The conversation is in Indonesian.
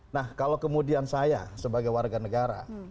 nah kalau kemudian saya sebagai warga negara